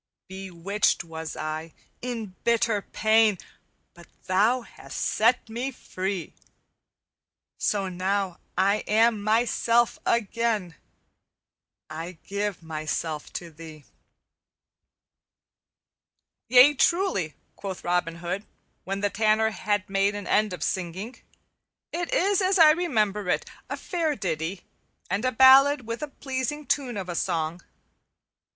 "'Bewitched was I, in bitter pain, But thou hast set me free, So now I am myself again, I give myself to thee_.'" "Yea, truly," quoth Robin Hood, when the Tanner had made an end of singing, "it is as I remember it, a fair ditty, and a ballad with a pleasing tune of a song."